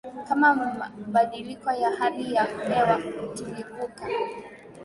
Kama Mabadiliko ya Hali ya Hewa Tulivuka